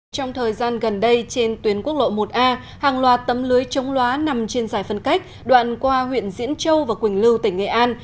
trong thời gian gần đây trên tuyến quốc lộ một a hàng loạt tấm lưới chống loá nằm trên giải phân cách đoạn qua huyện diễn châu và quỳnh lưu tỉnh nghệ an